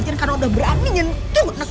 ibu tuh sayang